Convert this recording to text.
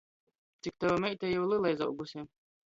Cik tova meita jau lela izauguse!